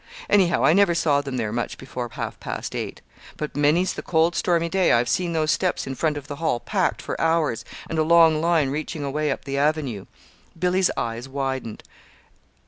Anyhow, I never saw them there much before half past eight. But many's the cold, stormy day I've seen those steps in front of the Hall packed for hours, and a long line reaching away up the avenue." Billy's eyes widened.